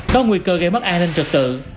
có nguy cơ gây mất an ninh trật tự